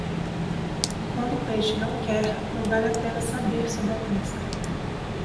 Quando o peixe não quer, não vale a pena saber sobre a pesca.